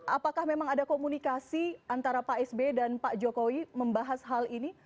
apakah memang ada komunikasi antara pak sb dan pak jokowi membahas hal ini